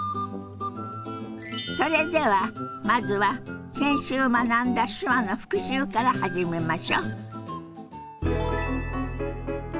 それではまずは先週学んだ手話の復習から始めましょ。